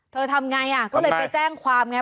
ทำไงอ่ะก็เลยไปแจ้งความไง